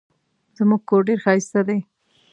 زموږ کور ډېر ښایسته دی.